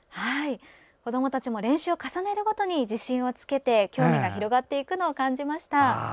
子どもたちも練習を重ねるごとに自信をつけて興味が広がっていくのを感じました。